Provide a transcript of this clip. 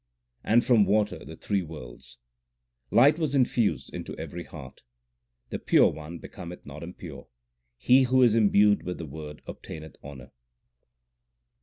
And from water the three worlds ; light was infused into every heart. The Pure One becometh not impure : he who is imbued with the Word obtaineth honour.